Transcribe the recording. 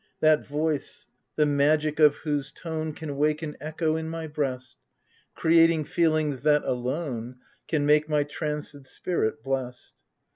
That voice, the magic of whose tone Can wake an echo in my breast, Creating feelings that, alone, Can make my tranced spirit blest.